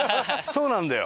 そうなんだよ。